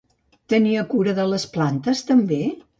Tenia cura de les plantes també?